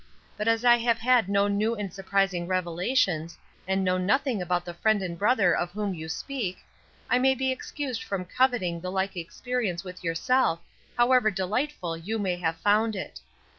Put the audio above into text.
But as I have had no new and surprising revelations, and know nothing about the Friend and Brother of whom you speak, I may be excused from coveting the like experience with yourself, however delightful you may have found it.